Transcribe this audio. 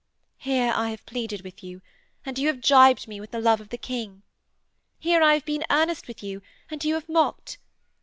'Here I have pleaded with you, and you have gibed me with the love of the King. Here I have been earnest with you, and you have mocked.